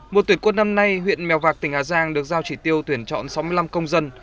mùa tuyển quân năm nay huyện mèo vạc tỉnh hà giang được giao chỉ tiêu tuyển chọn sáu mươi năm công dân